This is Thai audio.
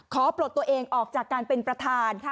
ปลดตัวเองออกจากการเป็นประธานค่ะ